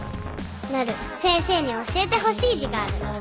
なる先生に教えてほしい字があるんだ。